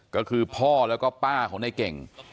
ก็คือพ่อแล้วก็ป้าของในเก่ง